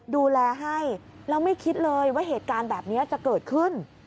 ดูแลให้แล้วไม่คิดเลยว่าเหตุการณ์แบบนี้จะเกิดขึ้น